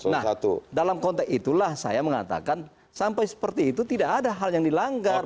nah dalam konteks itulah saya mengatakan sampai seperti itu tidak ada hal yang dilanggar